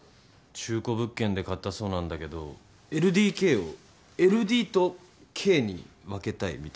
中古物件で買ったそうなんだけどＬＤＫをＬＤとＫに分けたいみたいで。